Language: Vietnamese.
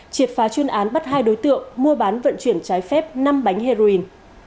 triệt phá chuyên án bắt hai đối tượng mua bán vận chuyển trái phép năm bánh heroin